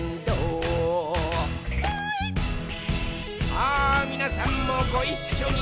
さあ、みなさんもごいっしょに！